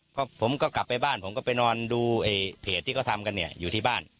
เพราะผมก็กลับไปบ้านผมก็ไปนอนดูไอ้เพจที่เขาทำกันเนี่ยอยู่ที่บ้าน